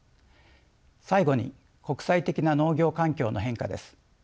最後に国際的な農業環境の変化です。